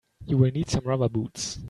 You will need some rubber boots.